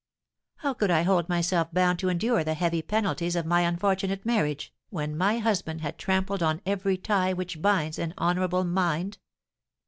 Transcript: How could I hold myself bound to endure the heavy penalties of my unfortunate marriage, when my husband had trampled on every tie which binds an honourable mind?